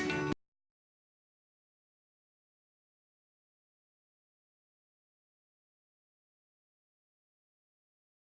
ia juga merupakan foto resmi pertunangan keduanya